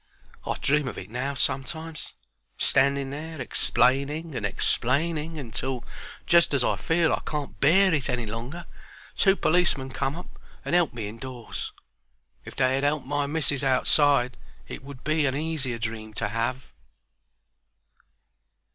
I dream of it now sometimes: standing there explaining and explaining, until, just as I feel I can't bear it any longer, two policemen come up and 'elp me indoors. If they had 'elped my missis outside it would be a easier dream to have.